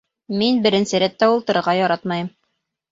Мин беренсе рәттә ултырырға яратмайым